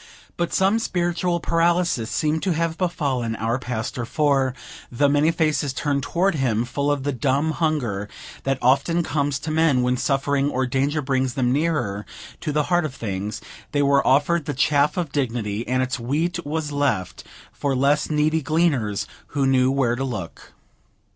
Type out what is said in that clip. But some spiritual paralysis seemed to have befallen our pastor; for, though many faces turned toward him, full of the dumb hunger that often comes to men when suffering or danger brings then nearer to the heart of things, they were offered the chaff of divinity, and its wheat was left for less needy gleaners, who knew where to look.